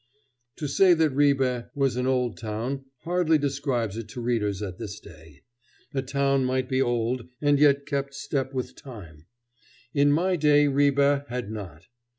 ] To say that Ribe was an old town hardly describes it to readers at this day. A town might be old and yet have kept step with time. In my day Ribe had not.